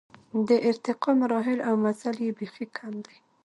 د ارتقا مراحل او مزل یې بېخي کم دی.